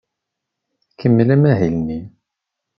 Tkemmel amahil-nni.